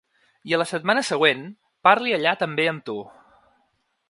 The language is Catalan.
I a la setmana següent parli allà també amb tu.